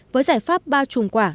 với giải pháp bao trùm quả